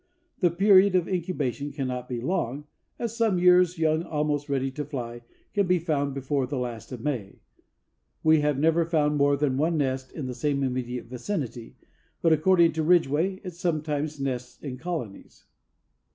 The period of incubation cannot be long, as some years young almost ready to fly can be found before the last of May. We have never found more than one nest in the same immediate vicinity, but, according to Ridgway, it sometimes nests in colonies.